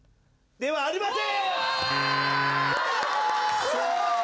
ではありません。